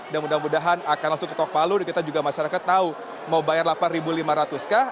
dan mudah mudahan akan langsung ketok palu dan kita juga masyarakat tahu mau bayar delapan ribu lima ratus kah